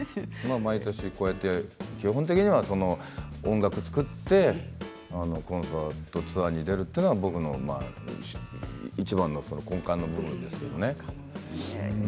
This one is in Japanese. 毎年、基本的には音楽作って、コンサートツアーに出るというのは僕の、いちばんの根幹の部分ですけどね。